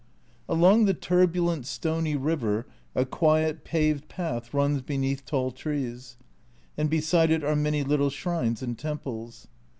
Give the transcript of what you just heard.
Along the turbulent stony river a quiet paved path runs beneath tall trees, and beside it are many little shrines and temples.